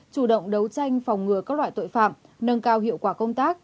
chủ động đấu tranh phòng ngừa các loại tội phạm nâng cao hiệu quả công tác